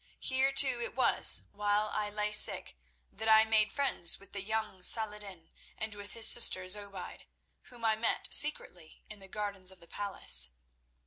Here too it was, while I lay sick, that I made friends with the young Saladin, and with his sister Zobeide, whom I met secretly in the gardens of the palace.